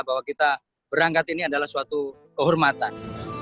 bahwa kita berangkat ini adalah suatu kehormatan